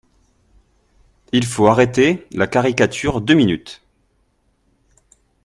Il faut arrêter la caricature deux minutes